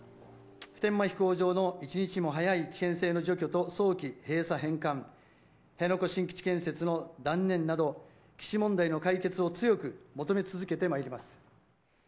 普天間飛行場の一日も早い危険性の除去と早期閉鎖・返還、辺野古新基地建設の断念など、基地問題の解決を強く求め続けてまいります。